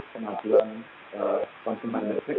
pengasuhan konsumen listrik